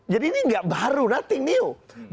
jadi ini gak baru nothing new